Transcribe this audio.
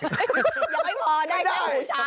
ยังไม่พอได้แค่หมูชา